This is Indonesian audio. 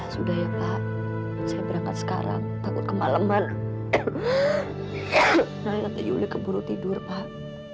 sudah ya pak saya berangkat sekarang takut kemaleman saya nanti yuli keburu tidur pak